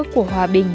của hòa bình